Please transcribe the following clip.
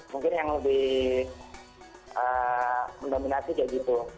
mungkin yang lebih mendominasi kayak gitu